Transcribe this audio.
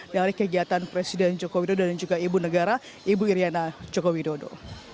dari kegiatan presiden joko widodo dan juga ibu negara ibu iryana joko widodo